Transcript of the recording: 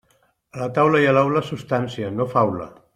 A la taula i a l'aula, substància, no faula.